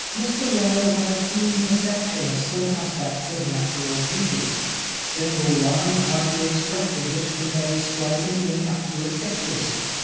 Mr Wilde has a keen perception of some aspects of natural beauty. Single lines might be extracted which convey striking and accurate pictures.